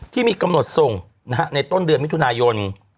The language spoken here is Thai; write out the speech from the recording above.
ที่มีกำหนดส่งในต้นเดือนมิถุนายน